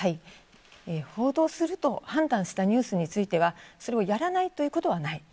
報道すると判断したニュースについてはそれをやらないということはない。